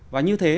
và như thế